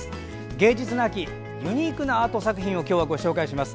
芸術の秋ユニークなアート作品を今日はご紹介します。